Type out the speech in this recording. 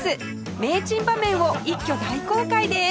名珍場面を一挙大公開です